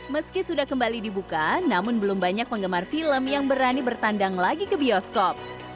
meski sudah kembali dibuka namun belum banyak penggemar film yang berani bertandang lagi ke bioskop